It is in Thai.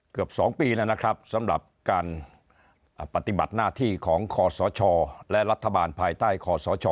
เกือบ๒ปีแล้วนะครับสำหรับการปฏิบัติหน้าที่ของคอสชและรัฐบาลภายใต้คอสช